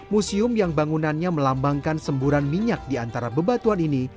museum yang bangunannya melambangkan semburan minyak di antara bebatuan ini